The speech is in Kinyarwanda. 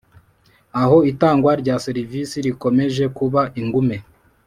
Aho itangwa rya serivisi rikomeje kuba ingume